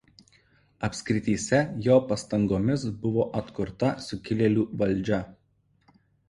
Apskrityse jo pastangomis buvo atkurta sukilėlių valdžia.